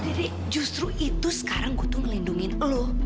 dede justru itu sekarang gue tuh ngelindungin lu